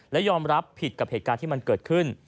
และยอมรับผิดกับเหตุการณ์ที่มันเกิดขึ้น